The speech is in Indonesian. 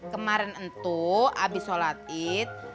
kemarin itu abis sholat itu